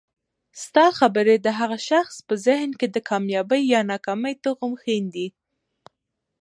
ستا خبري د هغه شخص په ذهن کي د کامیابۍ یا ناکامۍ تخم ښیندي